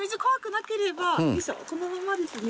このままですね。